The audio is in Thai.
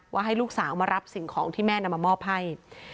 ให้ลูกสาวมารับสิ่งของที่แม่นำมามอบให้